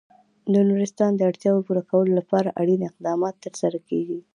د نورستان د اړتیاوو پوره کولو لپاره اړین اقدامات ترسره کېږي.